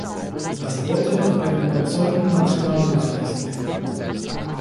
Das deutet auf einen überzeugten Nationalsozialisten hin.